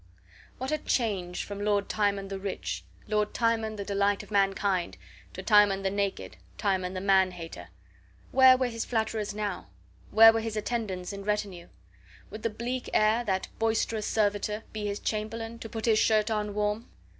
What a change from Lord Timon the rich, Lord Timon the delight of mankind, to Timon the naked, Timon the man hater! Where were his flatterers now? Where were his attendants and retinue? Would the bleak air, that boisterous servitor, be his chamberlain, to put his shirt on warm?